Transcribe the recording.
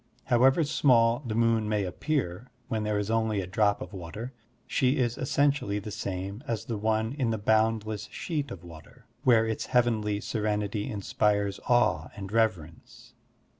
However small the moon may appear when there is only a drop of water, she is essentially the same as the one in the botmdless sheet of water, where its heavenly serenity inspires awe and reverence.